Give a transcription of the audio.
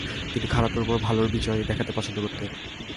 তিনি খারাপের উপর ভালোর বিজয় দেখাতে পছন্দ করতেন।